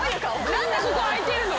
何でここあいてるの？